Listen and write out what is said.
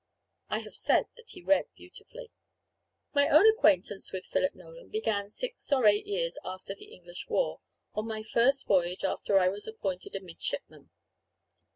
I have said that he read beautifully. My own acquaintance with Philip Nolan began six or eight years after the English war, on my first voyage after I was appointed a midshipman.